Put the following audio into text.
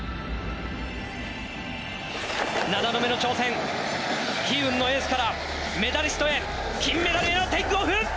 ７度目の挑戦悲運のエースからメダリストへ金メダルへのテイクオフ！